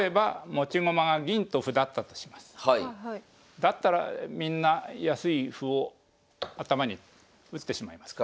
だったらみんな安い歩を頭に打ってしまいますから。